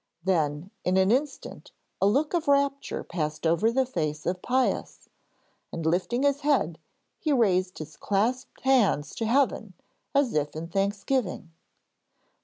Then in an instant a look of rapture passed over the face of Pius, and lifting his head he raised his clasped hands to Heaven as if in thanksgiving.